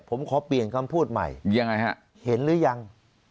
ผมขอเปลี่ยนคำพูดใหม่ยังไงฮะเห็นหรือยัง